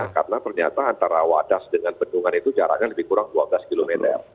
karena ternyata antara wadas dengan bendungan itu jaraknya lebih kurang dua belas km